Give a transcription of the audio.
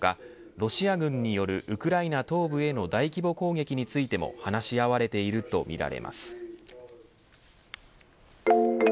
ロシア軍によるウクライナ東部への大規模攻撃についても話し合われているとみられています。